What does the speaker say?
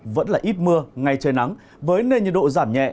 vẫn là ít mưa ngày trời nắng với nền nhiệt độ giảm nhẹ